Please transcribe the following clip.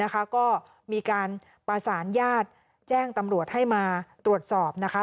ก็มีการประสานญาติแจ้งตำรวจให้มาตรวจสอบนะคะ